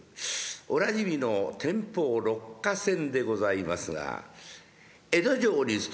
おなじみの「天保六花撰」でございますが江戸城に勤めております